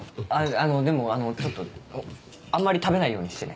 あのでもちょっとあんまり食べないようにしてね。